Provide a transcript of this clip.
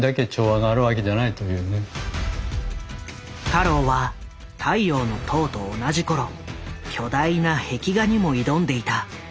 太郎は「太陽の塔」と同じ頃巨大な壁画にも挑んでいた。